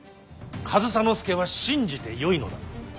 上総介は信じてよいのだな。